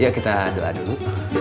ya kita doa dulu